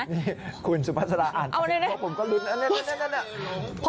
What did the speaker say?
นี่คุณสุภาษาอ่านไปผิดความผมก็ลุ้นนั่นแหละ